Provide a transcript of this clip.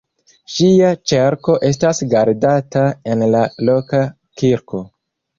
Ŝia ĉerko estas gardata en la loka kirko.